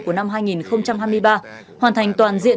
của năm hai nghìn hai mươi ba hoàn thành toàn diện